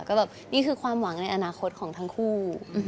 ก็แบบนี่คือความหวังในอนาคตของทั้งคู่